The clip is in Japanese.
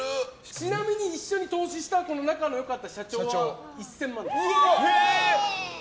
ちなみに一緒に投資した仲の良かった社長は１０００万円です。